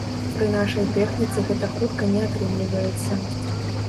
Пры нашай тэхніцы гэта хутка не атрымліваецца.